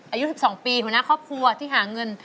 อายุ๑๒ปีหัวหน้าครอบครัวที่หาเงิน